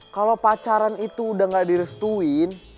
kalau pacaran itu udah gak direstuin